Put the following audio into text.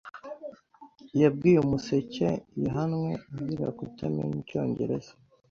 yabwiye Umuseke yahanwe azira kutamenya Icyongereza.